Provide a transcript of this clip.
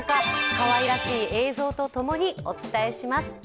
かわいらしい映像とともにお伝えします。